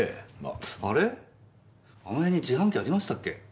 あの辺に自販機ありましたっけ？